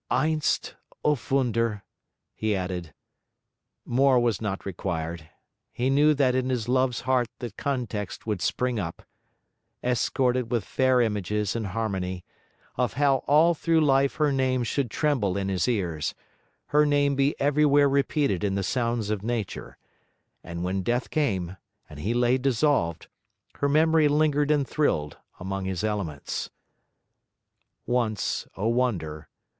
'Einst, O wunder!' he added. More was not required; he knew that in his love's heart the context would spring up, escorted with fair images and harmony; of how all through life her name should tremble in his ears, her name be everywhere repeated in the sounds of nature; and when death came, and he lay dissolved, her memory lingered and thrilled among his elements. 'Once, O wonder!